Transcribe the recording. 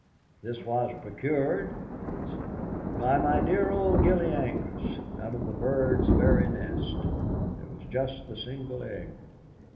"This was procured," he would say, "by my dear old gillie Angus out of the bird's very nest. There was just the single egg.